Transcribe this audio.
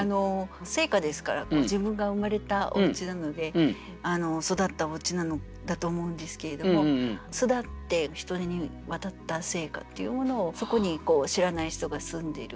「生家」ですから自分が生まれたおうちなので育ったおうちなのだと思うんですけれども人に渡った生家っていうものをそこに知らない人が住んでる。